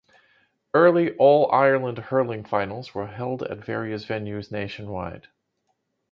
Early All-Ireland Hurling Finals were held at various venues nationwide.